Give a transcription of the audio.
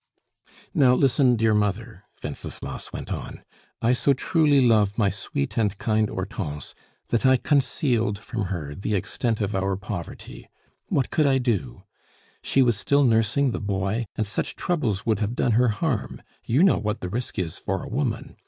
"Now, listen, dear mother," Wenceslas went on. "I so truly love my sweet and kind Hortense, that I concealed from her the extent of our poverty. What could I do? She was still nursing the boy, and such troubles would have done her harm; you know what the risk is for a woman.